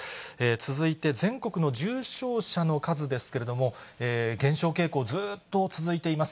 続いて、全国の重症者の数ですけれども、減少傾向、ずっと続いています。